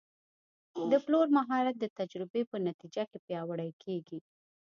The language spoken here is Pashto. د پلور مهارت د تجربې په نتیجه کې پیاوړی کېږي.